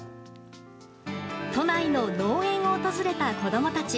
都内の農園を訪れた子供たち。